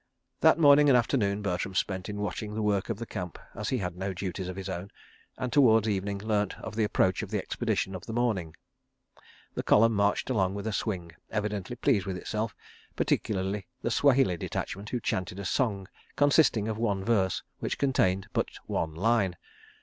That morning and afternoon Bertram spent in watching the work of the Camp, as he had no duties of his own, and towards evening learnt of the approach of the expedition of the morning. ... The column marched along with a swing, evidently pleased with itself, particularly the Swahili detachment, who chanted a song consisting of one verse which contained but one line.